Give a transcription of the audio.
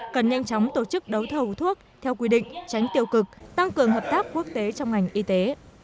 cần nhanh chóng tổ chức đấu thầu thuốc theo quy định tránh tiêu cực tăng cường hợp tác quốc tế trong ngành y tế